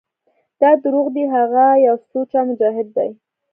دا دروغ دي هغه يو سوچه مجاهد دى.